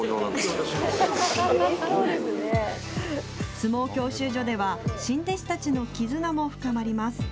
相撲教習所では、新弟子たちの絆も深まります。